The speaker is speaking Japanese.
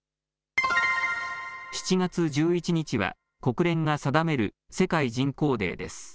７月１１日は、国連が定める世界人口デーです。